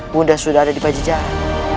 bunda sudah ada di pajajaran